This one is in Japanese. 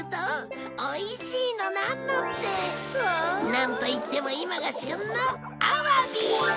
なんといっても今が旬のアワビ！